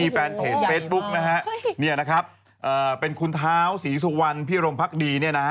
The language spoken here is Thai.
แล้วอันนี้เป็นไม่ใช่เสียงภูมิอวม